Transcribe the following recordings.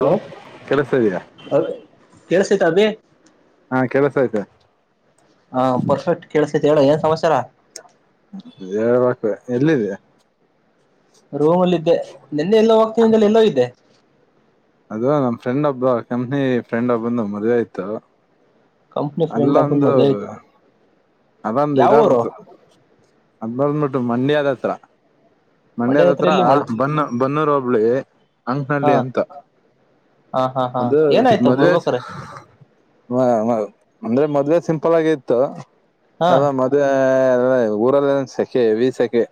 Hello ಕೆಲಸ ಇದೆಯಾ ಅ ಕೆಸ.. [inaudible] ತವೆ.. ಹಾ ಕೆಲಸ ಆಯ್ತು [inaudible] ಹ ಪರ್ಫೆಕ್ಟ್ ಕೇಳಸತಿ ಹೇಳ ಏನ್ ಸಮಾಚಾರ.. [inaudible] ಎಲ್ಲಿದೆಯಾ.. [inaudible] ರೂಮ್ ಅಲ್ಲಿದೆ ನಿನ್ನೆ ಎಲ್ಲೋ ಹೋಗ್ತೀನ್ ಅಂದಿಯಲ್ಲ ಎಲ್ಲೋ ಇದೆ... [unintelligible] ಅದು ನಮ್ಮ್ ಫ್ರೆಂಡ್ ಒಬ್ಬ ಕಂಪ್ನಿ ಫ್ರೆಂಡ್ ಒಬ್ಬಂದು ಮದುವೆ ಆಯ್ತ... [unintelligible] ಕಂಪನೀಫ್ರೆಂಡು ಒಬ್ಬನ ಮದುವೆ ಇ.. [inaudible] ಅದಂದು ಇದಾ ಬಿಡ್ತು ಅದ.. [inaudible] ಮಂಡಿ ಆದತ್ರ.. [inaudible] ಮಂಡ್ಯ ಹತ್ರ ಮಂಡ್ಯದತ್ರ ಇಲ್ಲಿ ಮಳ್ ಬ.. [inaudible] ಬನ್ನೋರು ಒಬ್ಳಿ.. [unintelligible] ಹಾ ಅಂಕನಳ್ಳಿ ಅಂತ ಹಾ ಹಾ ಹಾ ಅದು ಏನಾಯ್ತು ಮದ್ಲೇ.. ಬರ್ಬೇಕ್ರೆ [inaudible] ಅಂದ್ರೆ ಮದ್ವೆ ಸಿಂಪಲ್ ಆಗಿ ಇತ್ತು ಹಾ ಅದ ಮದುವೆ ಊರಲ್ಲ ಸೆಕೆ ವಿ ಸೆಕೆ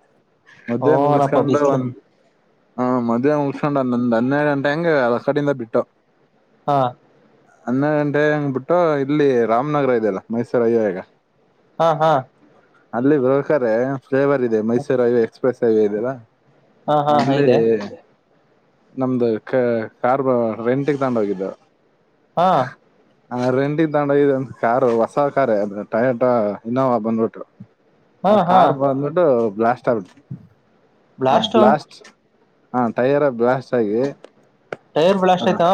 ಮದ್ದೆ ಓನಪ್ಪ ಮುಗಿಸಕೊಂಡು ಬಿಸ್ಲು ಒಂದ ಹಾ ಮದುವೆ ಮುಗಿಸಿಕೊಂಡು ಹನ್ನೆರಡು ಗಂಟೆ ಹೆಂಗೆ ಅ ಕಡಿಂದ ಬಿಟ್ಟು ಹಾ ಹನ್ನಡ್ ಗಂಟೆ ಹಂಗ್ ಬಿಟ್ಟು ಇಲ್ಲಿ ರಾಮನಗರ ಇದ್ಯಲ್ಲ ಮೈಸೂರು ಅಯ್ಯಗ ಹಾ ಹಾ ಅಲ್ಲಿ ಬರಕಾರೆ ಫ್ಲೇವರ್ ಇದೆ ಮೈಸೂರು ಹೈವೇ ಎಕ್ಸ್ಪ್ರೆಸ್ ಹೈವೇ ಇದೆೆಯಲ್ಲ, ಹಾ ಹಾ ಅಲ್ಲಿ ಇದೆ ನಮ್ದು ಕ ಕಾರ್ ರೆಂಟ್ಗೆ ತಂಡು ಹೋಗಿದ್ದೋ. ಹಾ ಹ ರೆಂಡಿದ್ ತಂಗಂಡ್ ಇ ಒಂದ್ ಕಾರಾ ಹೊಸ ಕಾರಾರ್ ಟಯೋಟ ಇನ್ನ ಬಂದ್ಬಿಟ್ಟು ಹಾ ಆ ಹಾ ಕಾರ್ ಬಂದ್ಬಿಟ್ಟು ಬ್ಲಾಸ್ಟ್ ಆಔಟ್ ಆ ಬ್ಲಾಸ್ಟು ಬ್ಲಾಸ್ಟ್ ಹಾ ಟಯಾರ ಬ್ಲಾಸ್ಟ್ ಆಗಿ ಟೈರ್ ಬ್ಲಾಸ್ಟ್ ಆಯ್ತಾ.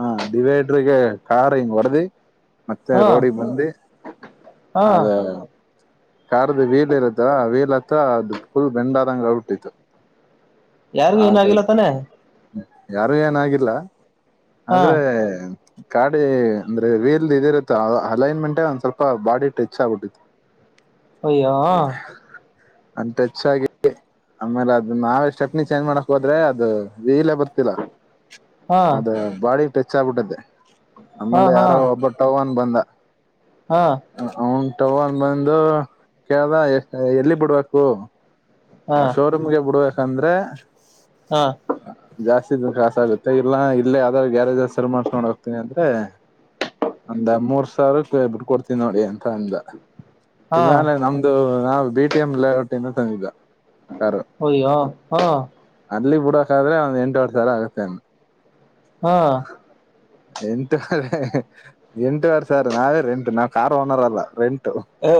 ಹಾ ಡಿವೈಡ್ರಗೆ ಕಾರ್ ಹಿಂಗ ಹೊಡೆದಿ ಮತ್ತೆ ಹಾ ರೋಡಿಗೆ ಬಂದಿ ಹಾ ಅದೇ ಕಾರ್ದ ವೀಲ್ ಇರುತ್ತ ವೀಲ್ ಹತ್ತ ಅದ ಫುಲ್ ಬೆಂಡಾದಂಗ ಆಗ್ಬುಟ್ಟಿತ್ತು ಯಾರಿಗು ಏನ ಆಗಿಲ್ಲತಾನೆ? ಯಾರು ಏನಾಗಿಲ್ಲ ಹಾ ಆದ್ರೆ ಕಾಡಿ ಅಂದ್ರೆ ವೀಲ್ದ್ ಇದಿರುತ್ತೆ ಅಲೈನ್ಮೆಂಟ್ ಒಂದ್ ಸ್ವಲ್ಪ ಬಾಡಿ ಟೆಚ್ ಆಗ್ಬಿಟ್ಟಿತ್ತು. ಅಯ್ಯೋ ಅಂತ ಟೆಚ್ಚಾಗಿ ಆಮೇಲೆ ಅದ ನಾವೆ ಸ್ಟೇಪ್ನಿ ಚೇಂಜ್ ಮಾಡಕ್ ಹೋದ್ರೆ, ಅದು ವೀಲೆ ಬರ್ತಿಲ್ಲ, ಹಾ ಅದ ಬಾಡಿ ಟಚ್ ಚಾಗ್ಬುಟ್ಟೈತೆ. ಹಾ ಆಮೇಲೆ ಹಾ ಹಾ ಯಾರ ಒಬ್ಬಟ್ಟವನ್ ಬಂದ ಹಾ ಹ ಹ ಟವ ಅನ್ ಬಂದು ಕೇಳ್ದ ಎ ಎಲ್ಲಿ ಬಿಡ್ಬೇಕು ಹ ಶೋರೂಮ್ಗೆ ಬಿುಡು. ಕಂದ್ರೆ. ಹಾ ಕಖಾಸ ಆಗುತ್ತೆ ಇಲ್ಲ ಇಲ್ಲ ಯಾವ್ದಾದ್ರು ಗ್ಯಾರೇಜ್ ಸರ್ ಮಾಡ್ಸ ನೋಡ್ ಹೋಗ್ತೀನ ಅಂದ್ರೆ ಒಂದ ಮೂರ್ ಸಾವಿರಕ್ಕೆ ಬಿಟ್ ಕೊಡ್ತೀನಿ ನೋಡಿ. ತಂದ. ಹಾ ಇನಾನೆ ನಮ್ದು. ನಾವು ಬಿ ಟ ಎಂ ಲಔಟಿಿಂದ ತಂಗಿದ್ದು. ಒಹ್ ಯಹ್ ಹಾ. ಕೊಡ್ಬೇಕಾದ್ರೆ ಒಂದ್ ಯಂತೂವರ್ ಸಾವಿರ ಆಗುತ್. ಹಾ ಎಂಟ್ ಎಂಟ ವರ್ ಸಾವಿರ ನಾವೇ ರೆಂಟ್ ನಾವ್ ಕಾರ್ ಓನರ್ ಅಲ್ಲ ರೆಂಟು. ಹ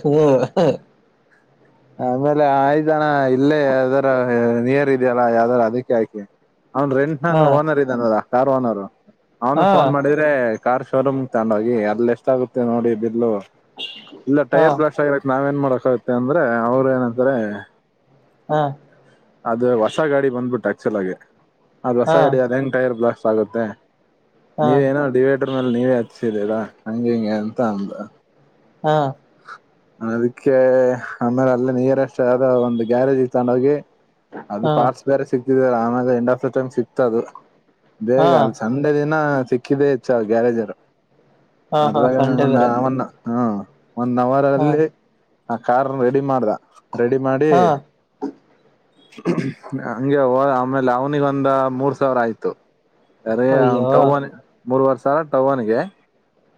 ಹ್ಮ ಹ ಆಮೇಲೆ ಆಯ್್ದನ ಇಲ್ಲೇ ಯಾವ್ದಾರ ನೀಯಾರ್ ಇದೆಯಲ್ಲ ಯಾವ್ದಾರ ಅದಕ್ಕೆ ಹಾಕಿ. ಅವನ್ ರೆಂಟ್ ಹಾ ನಾನ ಓನರ್ ಇದ್ದಾನ. ಕಾರಾರೋನರು. ಅವನು ಹಾ ಫೋನ್ ಮಾಡಿದ್ರೆ ಕಾರ್ ಶೋರೂಮ್ ತಗೊಂಡ್ ಹೋಗಿ ಅಲ್ಲಿ ಎಷ್ಟ ಆಗುತ್ತೆ ನೋಡಿ ಬಿಲ್ಲು. ಇಲ್ಲ ಹಾ ೈರ್ ಬ್ಲಾಸ್ಟ್ ಆಗಿರಡ್ಕ್ ನಾವೇ. ಏನ್ ಮಾಡಕಾಗತ್ತೆ ಅಂದ್ರೆ ಅವರು ಏನಂತಾರೆ. ಹಾ ಅದು ಹೊಸ ಗಾಡಿ ಬಂದ್ಬಿಟ್ಟು ಆಕ್ಚುಲ್ ಆಗೆ. ಅದು ಹೊಸ ಹಾ ಗಡಿ ಅದ ಹೆಂಗ ಟೈಯರ್ ಬ್ಲಾಸ್ಟ್. ಆಗುತ್ತೆ. ಹಾ ನೀವೇ ಏನ ಡಿವೇ. ್ರ ಮಲ್ಲಿ ನೀವೇ ಹಚ್ಚಿದೀರಾ ಹಂಗೆ ಹಿಂಗೆ ಅಂತ ಅಂದ. ಹಾ ಅದಕ್ಕೆ ಆಮೇಲೆ ಅಲ್ಲೇ ನಿಯರೆಸ್ಟ್ ಆದ ಒಂದ್ ಗ್ಯಾರೇಜ್ ತಗೊಂಡು ಹೋಗಿ. ಅದು ಪಾಸ್ ಬೇರೆ ಸಿಗ್. ಆಮಾಗ ಎಂಡ್ ಆಫ್ ದಟೈಮ್ ಸಿಕ್ತ ಅದು. ಹಾ ಬೇಗ ಅಲ್ ಸಂಡೆ ದಿನ. ಸಿಕ್ಕಿದ್ದ ಹೆಚ್ಚ ಆ ಗ್ಯಾರೇಜರು. ಹಾ ಹಾ ಅದರಗ ಸಂಡೆ ಬೇರೆ [unintelligible] ಹ್ಮ ಒಂದ್ ಅವರ್ ಹಾ ಅಲ್ಲಿ ಆ ಕಾರುನ ರೆಡಿ ಮಾಡ್ದ ರೆಡಿ ಮಾಡಿ ಹಾ ಹಂಗೆ ಅವ್ ಆಮೇಲೆ ಅವನಿಗೊಂದ್ ಮೂರ್ ಸಾವಿರ ಆಯ್ತು. ಅರೇ ಅಯ್ಯೋ ಅವತಾವ್ನೆ ಮೂರ್ ವರ್ಷ ಸರ ಟವನ್ಗೆ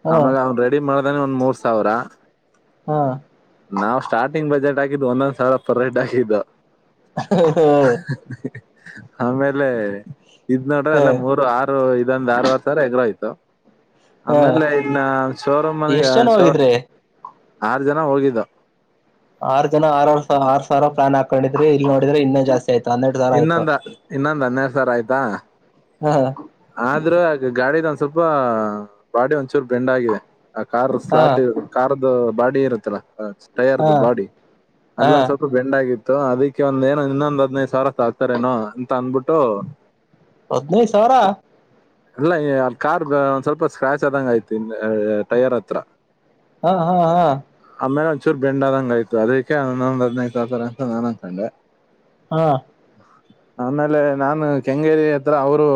ಹಾ ಆಮಗ ಅವನ್ ರೆಡಿ ಮಾಡ [unintelligible] ಮೂರ್ ಸಾವಿರ ಹಾ ಇದು ಒಂದೊಂದ್ ಸಾವರ ಪರ್ ಹೆಡ್ ಆಗಿದ್ದು. ಹ ಹ್ಮ್ ಆಮೇಲೆ ಇದ್ ನೋಡ್ರೆ ಹ ಅಲ್ಲೇ ಮೂರು ಆರು ಇದೊಂದ್ ಆರುವರೆ ಸಾವಿರ ಎಗ್ರೋಯ್ತು. ಹ ಆಮೇಲೆ ಇದನ್ನ ಶೋರೂಮ್ನಗೆ ಎಷ್ಟ್ ಜನ ಶೋ ಹೋಗಿದ್ರಿ ಆರ್ ಜನ ಹೋಗಿ ದು ಆರ್ ಜನ ಆರ್ ಆರ್ ಆರ್ ಸಾವಿರ ಪ್ಲಾನ್ಕೊಂಡಿದ್ರಿ ಇಲ್ಲಿ ನೋಡುದ್ರೆ ಇನ್ನ ಜಾಸ್ತಿ ಆಯತು ಆನ್ನೆರಡು ಸಾವಿರ ಆಯಿತ್ತು ಸರ್ ಆಯ್ತಾ ಆದ್ರ ಅ ಗಾಡಿದವ ಸ್ವಲ್ಪ ಬಾಡಿ ಒಂಚೂರು ಬೆಂಡ ಆಗಿದೆ ಆ ಕಾರ್ ಹಾ ಸ್ಲಾರ್ಟ್ ಕಾರ್್ದ ಬಾಡಿ ಇರುತ್ತಲ್ಲ ತಯಾರ್ದು ಹಾ ಬಾಡಿ ಹಾ ಅಲ್ಲೊಂದ್ ಸ್ವಲ್ಪ ಬೆಂಡ್ ಆಗಿತ್ತು ಅದಕ್ಕೆ ಒಂದ ಏನು ಇನ್ನೊಂದ ಹದಿನೈದು ಸಾವಿರ ಕಲತೇರೇನೋ ಅಂತ ಅಂದಬಿಟ್ಟು ಹದನೈದು ಸಾವರ ಅಲ್ಲ ಅ ಕರ್ದು ಒಂದ್ ಸ್ವಲ್ಪ ಸ್ಕ್ರಾಚ್ ಆದಂಗ ಆಯ್ತಿ ಇಲೇ ಹೆ ಟಯರ್ ಹತ್ರ ಹಾ ಹಾ ಹಾ ಚುರ್ ಬೆಂಡದಂಗ ಆಯತು ಅದಕ್ಕೆ ಇನ್ನುದು ಹದಿನೈದು [unintelligible] ಅಂತ ನಾನ ಅಂಕಂಡೆ ಹಾ ಆಮೇಲೆ ನಾನು ಕೆಂಗೇರಿ ಹತ್ರ ಅವರು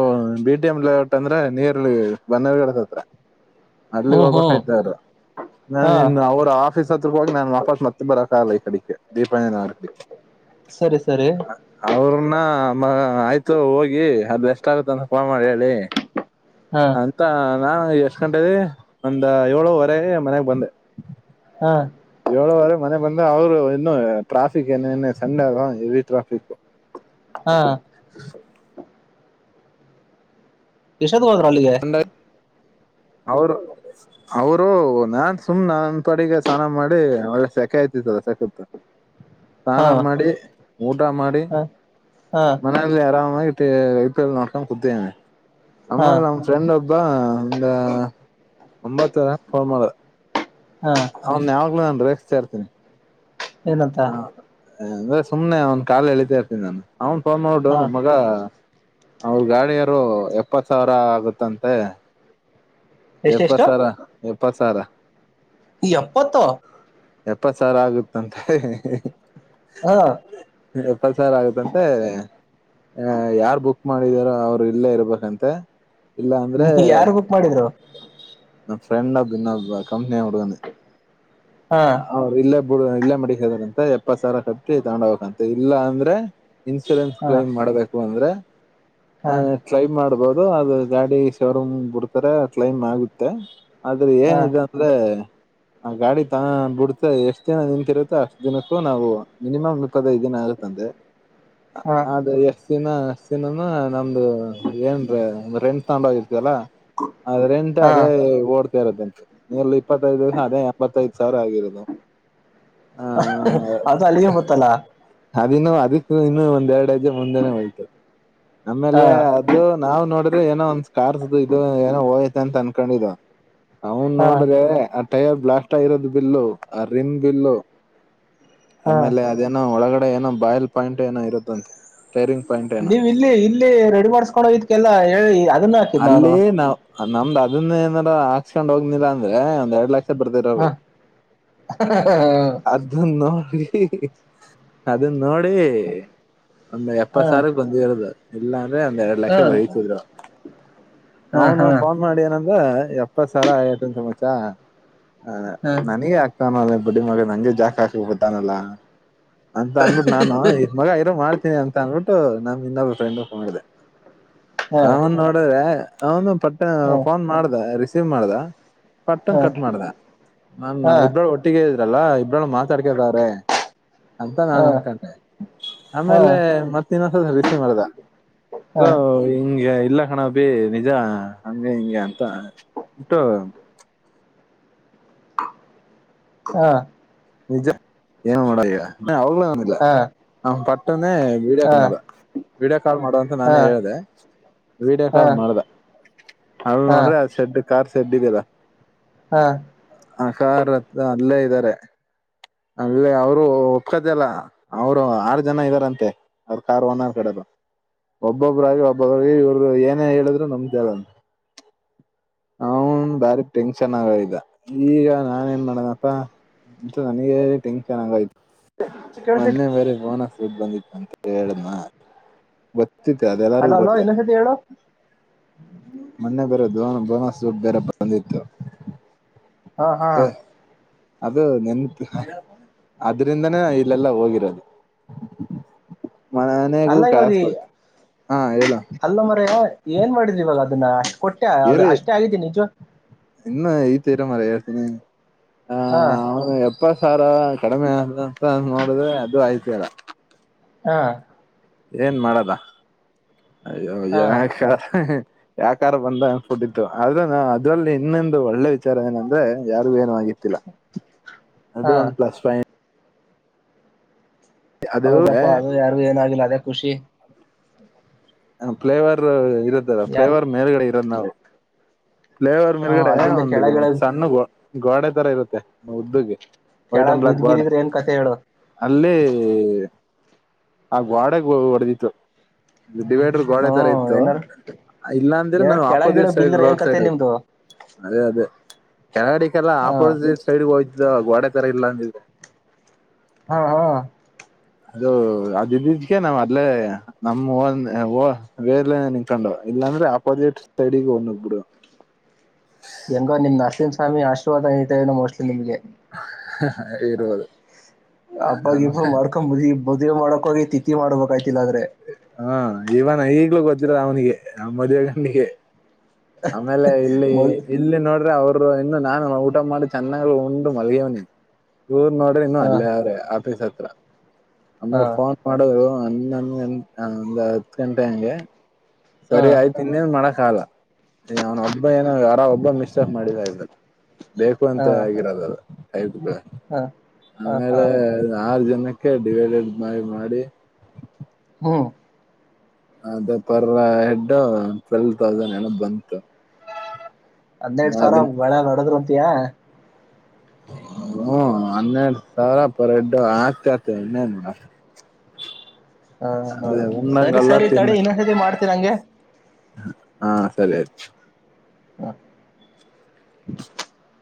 ಬಿ ಟಿ ಎಮ್ ಲೇಹುಟ್ ಅಂದ್ರೆ ನೀರ್ಲ್ಲಿ [unintelligible] ಅಲ್ಲಿಗ್ ಹ್ಮ್ ಹ್ಮ್ ಹೋಗ್ಬೇಕಾಯ್ತ್ರ ಹಾ ನಾನನ್ ಅವ್ರ ಆ ಆಫೀಸ್ ಹತ್ರ ಹೋಗಿ ನಾನನ್ ವಫಪಸ್ ಮತ್ತ ಬರಕಗಲ್ಲ ಈ ಕಡೆಕ್ಕೆ ದೀಪಾಯಂತ್ರಿ ಸರಿ ಸರಿ ನ ಆಯ್ತು ಹೋಗಿ ಅದ ಎಷ್ಟ ಆಾಗುತ್ತ ಅಂತ ಫೋನ್ ಮಾಡಿ ಹೇಳಿ ಹಾ ಅಂತ ನಾ ಎಷ್ಟ್ ಗಂಟೆಗೆ ಒಂದ ಏಳುವರೆಗ್ ಮನೆಗ್ ಬಂದೆ ಹಾ ಏಳುವರೆ ಮನೆ ಬಂದೆ ಅವ್ರು ಇನ್ನು ಟ್ರಾಫಿಕ್ ಏನ ಏನ್ ಸಂಡೆ ಅಲ್ವಾ ಹೆವಿ ಟ್ರಾಫಿಕು ಹಾ ಚದು ಹೋದ್ರ ಅಲ್ಲಿಗೆ ಅವ್ರ ಅವ್ರು ನಾನ್ ಸುಮ್ ನನ್ ಪಡಿಗೆ ಸ್ನಾನ ಮಾಡಿ ಒಳ್ಳೆ ಸೆಕೆಯ್ತಿತ್ತಲ್ಲ ಸಕತ್ ಹಾ ಸ್ನಾನ ಮಾಡಿ ಊಟ ಮಾಡಿ ಹಾ ಹಾ ಮನೆಯಲ್ಲಿ ಆರಾಮಾಗಿ ಇರ್ ಮತ್ತೆ ಎಪ್ರಿಲ್ ನೊಕ ಕುತಿದೀನಿ ಹಾ ಅಮ್ಮಲ್ ನಮ್ ಫ್ರೆಂಡ್ ಒಬ್ ಬಾ ಒಂದ ಒಂಬತ್ತುವರೇ ಹಂಗ್ ಫೋಮ್ ಮಾಡ ಹಾ ಅವನ್ ಯಾವಾಗ್ಲೂ ಅನ್ರೆ ಹಸೆ ಇರ್ತೇನೆ ಏನಂತ ಅಂದ್ರ ಸುಮ್ನೆ ಅವ್ನ್ ಕಾಲ್ ಏಳಿತಾ ಇರ್ತಿನಿ ನಾನು ಅವ್ನ್ ಫೋನ್ ಮಾಡ್ಬಿಡು ಹಾ ಮಗ ಅವ್ರ ಗಾಡಿಯರು ಎಪ್ಪತ್ ಸಾವಿರ ಆಗುತ್ತಂತೆ ಎಪ್ಪ ಎಷ್ಟೆಷ್ಟು ಸಾರ ಪ್ಪಸಾರ ಯಪ್ಪಾತ್ತೂ ಎಪ್ಪ ಸಾವರ್ ಆಗುತನ್ ಹಃ ಹಃ ಹಃ ಹಾ ಹಃ ಎಪ್ಪತ್ ಸಾರ್ ಆಗತ್ತಂತೆ ಅ ಯಾರ್ ಬುಕ್ ಮಾಡಿದಾರ ಅವ್ರು ಇಲ್ಲೇ ಇರ್ಬೇಕಂತೆ ಇಲ್ಲ ಅಂದ್ರೆ ಯಾರು ಬುಕ್ ಮಾಡಿದ್ರು ನ ಫ್ರಂಡನ್ನ ಕಂಪ್ನಿಯ ಹುಡ್ಗನೆ ಹಾ ಅವೌದ ಇಲ್ಲೇ ಇಲ್ಲೇ ಮಡಿಕತರಂತೆ ಅಂತ ಎಪ್ಪತ್ ಸಾವಿರ ಕಟ್ಟಿ ತಗೊಂಡ ಹೋಗಬೇಕಂತಂತೆ ಇಲ್ಲ ಅಂದ್ರೆ ಇನ್ಸೂರೆನ್ಸ್ ಹಾ ಕ್ಲೈಮ್ ಮಾಡ್ಬೇಕು ಅಂದ್ರೆ ಹ ಹಾ ಹ ಟ್ರೈ ಮಾಡ್ಬೋದ್ ದು ಅದು ಗಾಡಿ ಶೋರೂಮ್ ಬಿಡ್ತಾರೆ ಅದು ಕ್ಲೈಮ್ ಆಗುತ್ತೆ ಆದ್ರೆ ಹಾ ಏನಿದೆ ಅಂದ್ರೆ ಅ ಗಾಡಿ ಹ ಬಿಡ್ತ ಎಷ್ಟ್ ದಿನ ನಿನ್ಂತರುತ್ತೆ ಅಷ್ಟ್ ದಿನಕ್ಕೂ ನಾವು ಮಿನಿಮಮ್ ಇಪ್ಪತ್ತೈದು ದಿನ ಆಗುತ್ತ ಅಂತೆೆ.. [unintelligible] ಹಾ ಅದೇ ಎಸ್.. [inaudible] ದಿನ ಸಿನಮ ನಮ್ದು ಏನ್ರೀ ರೆಂಟ್ ತಗೊನ್ ಇದ್ಯಾಲ್ಲ ಅದ್ರೆಂತ ಹಾ ಅದೇ ಓಡ್ತಾ ಇರತೆ ನೀಲ್ಲಿ ಇಪ್ಪತ್ತೈದು ಅದೇ ಎಪ್ಪತ್ತೈದು ಸರ ಆಗಿರೋದು.. [inaudible] ಹಃ ಹಃ ಆ ಅದು ಅಲ್ಲಿಗೆ ಗೊತ್ತಲ ಅದಿನ್ನು ಅದಕು ಇನ್ನು ಒಂದೆರಡ್ ಐ ಜೆ ಮುಂದೆನೆ ಹೂಯ್ತು ಹಾ ಆಮೇಲೆ ಅದು ನಾವ್ ನೋಡಿರೆ ಏನೋ ಒಂದ್ ಕಾರ್ ಇದು ಏನೋ ಹೊಯ್ ಅಂತ ಅನ್ಕೊಂಡಿದ.. [inaudible] ಅವನ್ ಹಾ ನೋಡ್ದ ಅ.. [inaudible] ಶೇರ್ ರ್ ಬ್ಲಾಟ್.. [unintelligible] ಇರೋದು ಬಿಲ್ಲು ಆ ರಿನ್್ ಬಿಲ್ಲು.. [inaudible] ಹಾ ಆಮೇಲೆ ಅದೇನ ಒಳಗಡೆ ಏನೋ ಬಾಯಲ್ ಪಾಯಿಂಟ್ ಏನೋ ಇರುತ್ತ ಅಂತೆ.. [inaudible] ನೀವ್ ಇಲ್ಲಿ ಇಲ್ಲಿ ರೆಡಿ ಮಾಡ್ಸ್ಕೊಂಡ್ ಹೋಗಿದ್ ಎಲ್ಲಾ ಹೇಳಿ ಅದನ್ನ ಹಾಕಿದ್ ನಾನು ಅಲ್ಲಿ ನಾವ್ ನಮ್ದು ಅದನ್ನ ಏನ.. [inaudible] ಪ ಹಾಸ್ಕೊಂಡ್ ಹೋಗಲಿಲ್ಲ ಅಂದ್ರೆ ಒಂದ ಎರಡ್ ಲಕ್ಷ್ ಬರ್ದೇರೋರು ಹಾ ಹಾ ಅದುನ್ ನೋಡಿ ಹಿ ಹಿ ಅದ್ ನೋಡಿ ಒಂದ್ ಹಾ ಎಪ್ಪತ್ ಸಾವಿರಕ್ಕೆ ಬಂದಿ ಇರದು.. [unintelligible] ಎಲ್ಲಾ.. [inaudible] ಅಂದ ಎರಡು ಹಾ ಲಕ್ಷ ವಿ ಹಾ ಸದ.. [inaudible] ಅವನು ಹಾ ಫೋನ್ ಮಾಡಿ ಏನಂದ ಎಪ್ಪತ್ತ್ ಸಾವ್ರ ಆಗತ್ತಂತೆ ಮಚ್ಚಾ ಹ ಹಾ ನನಿಗೆ ಆಗ್ತಾನಲ ಅಡಿ ಮಾಡ ನಂ ಜಾಕಾ ಬತಾನಲ್ಲ ಅಂತ ಅಂದ್ಬಿಟ್ಟು ನಾನು ಮಗ ಮಾಡ್ತಿ.. [inaudible] ತೆ ಅಂತ ಅಂದ್ಬಿಟ್ಟು ನಮ್ ಇನ್ನೊಬ್ ಫ್ರೆಂಡ್ ಗ್ ಮಾಡ್ದೆ. ಹಾ ಅವ್ನು ಹ... [inaudible] ಪಟ್ ಫೋನ್ ಮಾಡ್ದ ರಿಸಿ ಸಿವ್ ಮಾಡದಾ ಹಾ ಪಟ್ಟಂಗ ಹಾ ಕಟ್ ಮಾಡ್ದ ನಾನ ಹಾ ಇಬ್ರ ಒಟ್ಟಿಗೆ ಎಲ್ಲಾ ಎಲ್ರೂ ಮಾತಾಡ್ಕ್ಯತಾರೆ ಅಂತ ಹಾ ನಾನ್ ಹಾ ಅನ್ಕೊಂಡೆ ಆಮೇಲೆ ಮತ್ತಿನ ರಿಸೀವ್ ಮಾಡದ ಹಾ ಅಲ್ಲ ಹೆಂಗೆ ಆಯ್ತ ಕಣ ಭೀ ನಿಜ ಹಂಗೆ ಹಿಂಗೆ ಅಂತ ಉಟ್ಟು ಹಾ ನಿಜ ಏನ ಮಾಡ ಈಗ ಅವಗಳೇ ಬಂದಿಲ್ಲ ಹಾ ಹ ಪಟ್ಟನೆ ವೀಡಿಯೋ ಹಾ ಕಾಲ್ ಮಾಡ್ದ ವೀಡಿಯೋ ಕಾಲ್ ಮಾಡ ಅಂತ ಹಾ ನಾನೇ ಹೇಳ್ದ ವೀಡಿಯೋ ಹಾ ಕಾಲ್ ಮಾಡ್ದ ಅದ ಹಾ ನೋಡ್ರೆ ಅ ಸೆಡ್ ಕಾರರ್ ಸಡಿಗದ ಹಾ ಆ ಕಾರತ್ರ ಅಲ್ಲೇ ಇದ್ದಾರೆ ಅಲ್ಲಿ ಅವರು ಒಪ್ಕದ ಅಲ್ಲ ಅವರು ಆರು ಜನ ಇದ್ದಾರಂತೆ ಅವ್ರ ಕಾರ್ ಓನರ್ ಕಡೆದು ಒಬ್ಬೊಬ್ರಾಗಿ ಒಬ್ಬೊಬ್ರ ಇವ್ರ ಏನೇ ಹೇಳಿದ್ರು ನಮ್ದಲ್ಲ ಅವನ್ ಬಾರಿ ಟೆನ್ಷನ್ ಆಗ ಇದ್ದ ಈಗ ನಾನ ಏನ್ ಮಾಡನಪ್ಪ ನನಗೆ ಟೆನ್ಶನ್ ಆಗ ಆಯ್ತು ಕೇಳಿಸೈತಿ ಮಂದೇ ಬೇರೆ ಪನ ದುಡ್ ಬಂದಿತ್ತು ಅಂತ್ ಹೇಳಿದ್ನಾ ಬ ಹಲೋ ಅಲೋ ಇನ್ನೊಂದ್ ಸತಿ ಹೇಳು ಮೊನ್ನೆ ಬರೋದು ನಮ್ ಬೋನಸ್ ದುಡ್ ಬೇರೆ ಬಂದಿತ್ತು. ಹಾ ಹಾ ಅದು ನೆನಪ್ ಹಹ್ ಅದ್ ಇದ್ರಿಂದನೇ ನಾ ಇಲ್ಲೆಲ್ಲ ಹೋಗಿರದು. ಮನೆಗೂ ಅಲ್ಲ ಇವಾಗ ಕಾಸ್ ಈ- ಕೊಟ್ಟೆ ಹಾ ಹೇಳು ಅಲ್ಲ ಮರೆಯ ಏನ್ ಮಾಡಿದ್ರಿವಾಗ ಅದನ್ನ ಕೊಟ್ಟೆ ಅದು ಏರಿ ಅಷ್ಟೇ ಆಗಿದ್ದಿ ನಿಜೊ ಇನ್ನು ಐತಿ ಇರು ಮಾರಯ್ಯ ಹೇಳ್ತೀನಿ. ಹಾ ಇಪ್ಪತ್ತು ಸಾವಿರ ಕಡಿಮೆ ಆದಂತ ನೋಡಿದ್ರೆ ಅದು ಆಯ್ತಿಲ್ಲ. ಹಾ ಏನ್ ಮಾಡದ ಅಯ್ಯೋ ಹಾ ಯಾಕ್ ಹ ಹೇ ಹೇ ಯಾಕಾರ ಬಂದ ಅನ್ಸಿಬಿಟ್ಟಿತ್ತು ಆದ್ರ ನ ಅದ್ರಲ್ಲಿ ಇನ್ನೊಂದು ಒಳ್ಳೆ ವಿಚಾರ ಏನಂದ್ರೆ ಯಾರಿಗೂ ಏನು ಆಗಿತ್ತಿಲ್ಲ ಅದು ಹಾ ಒನ್ ಪ್ಲಸ್ ಫೈ ಅದು ಹೌದಪ್ಪಾ ಅದು ಯಾರಿಗು ಏನಾಗಿಲ್ಲ ಅದೇ ಖುಷಿ. [unintelligible] ಪಫ್ಲೇವರ್ ಇದು ಯಾರು ಫ್ಲವರ್ ಮೇಲ್ಗಡೆ. ಹ ನ [unintelligible] ಲೇವರ್ ಹಾ ಮೇಲ್ಗಡೆ ಅಲ್ಲಿಂದ ಒಂದು ಕೆಳಗಿಳಗ್ ಸಣ್ಣಗ ಗೋಡೆ ತರ ಇರುತ್ತೆ ಉದ್ದಗೆ ವೈಟಮ್ ಕೆಳಗ್ ಬ್ಲಾಕ್ ಬಿದ್ ಬಾರ್ಡ್ ಬಿದ್ದಿದ್ರೆ ಏನ್ ಕತೆ ಹೇಳು ಅಲ್ಲಿ.. ಆ ಗೋಡೆಗೆ ಹೊಡೆದಿತ್ತು ಡಿವೈಡರ್ ಗೋಡೆೆ ತರ ಹ್ಮ್ ಇತ್ತು ಏನಾರು ಇಲ್ಲ ಅಂದ್ರೆ ಯಾರ ನಾವು ಕೆಳಗಿಳ ಆಪೋಸಿಟ್ ಸೈಡ್ ಬಿದ್ದಿದ್ರೆ ಏನ್ ರೋಡ್ ಕತೆ ಸೈಡ್ ನಿಮ್ದು ಅದೇ ಅದೇ ಕೆಳಗಡೆ ಕಾಲ ಹಾ ಆಪೋಸಿಟ್ ಸೈಡ್ ಹೋಯ್ತು ಇದು ಗೋಡೆತರ ಇಲ್ಲ ಅಂದಿದೆ ಹಾ ಹಾ ಅದು ಅದ ಇದಿದಕ್ಕೆ ನಾವ್ ಅಲ್ಲೇ ನಮ್ ವೇರ್ಲೆ ನಿನ್ಕೊಂಡು ಇಲ್ಲಾಂದ್ರೆ ಅಪೋಸಿಟ್ ಸೈಡಿಗ ಹೋಗಿ ನುಗ್ಬುಡವೆ ಹೆಂಗೋ ನಿಮ್ಮ ನರ್ಸಿಂಗ್ ಸ್ವಾಮಿ ಆಶರ್ವಾದ ಇದ್ದ ಇನೋ ಮೋಸ್ಟ್ಲಿ ನಿಮ್ಗೆ ಇರ್ವುದು ಹಬ್ಬ ಗಿಬ್ಬಾ ಮಾಡ್ಕೋಬದಿ ಮದುವೆ ಮಾಡಕ ಹೋಗಿ ತಿತಿ ಮಾಡ್ಬೇಕ ಆಯ್ತು ಇದಾರೆ ಹ ಇವನ್ ಈಗ್ಲೂ ಗೊತ್ತಿರ ಅವನಿಗೆ ಆ ಮದುವೆಗಣ್ಣಿಗೆ ಆಮೇಲೆ ಇಲ್ಲಿ ಮದ್- ಇಲ್ಲಿ ನೋಡ್ರೆ ಅವರು ಇನ್ನು ನಾನು ಊಟ ಮಾಡಿ ಚೆನ್ನಾಗ ಉಂಡು ಮಲ್ಗ್ಯವನಿ ದೂರ್ ನೋಡ್ರಿ ಇನ್ನು ಹಾ ಅಲ್ಲೇ ಅವ್ರೆ ಆಫೀಸ್ ಹತ್ರ ಹಾ ಆಮೇಲೆ ಫೋನ್ ಮಾಡು ನ ಒಂದು ಹತ್ತು ಗಂಟೆ ಹಂಗೆ ಹಾ ಸರಿ ಆಯ್ತ ಇನ್ನೇನು ಮಾಡಕ್ ಕಾಲ ಅವನ ಒಬ್ಬ ಏನ ಯಾರ ಒಬ್ಬ ಮಿಸ್ ಮಾಡಿದ ಇದ ಬೇಕು ಅಂತ ಹಾ ಆಗಿರೋದಲ್ಲ ಹೌದು [unintelligible] ಹಾ ಹಾ ಹಾ ಆಮೇಲೆ ಆರು ಜನ ಓಕೆ ಬೇಗಬೇಗ ಬೈ ಮಾಡಿ ಹ ಅದೇ ಪರ್ ಹೆಡು ಟ್ವೆಲ್ವ ತೌಸಂಡ್ ಏನೋ ಬಂತು ಹನ್ನೆರಡು ಸಾವಿರ ಅದನ್ ಮಳೆ [unintelligible] ಒಡೆದ್ರು ಅಂತಿಯಾ [unintelligible] ಹನ್ನೆರಡ್ ಸಾವ್ರ ಪರ್ ಹೆಡ್ ಆಗ್ತಾಯಿತೆ ಇನ್ನೇನು? ಹಾಂ ಹಾಂ ಸರಿ ಸರಿ ತಡಿ ಇನ್ನೊಂದ್ಸತಿ ಮಾಡ್ತೀನ್ ಹಂಗೆ ಹಾಂ ಸರಿ ಆಯ್ತ್ ಅ [inaudible]